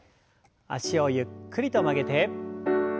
脚をゆっくりと曲げて。